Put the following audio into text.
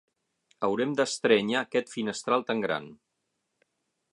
Haurem d'estrènyer aquest finestral tan gran.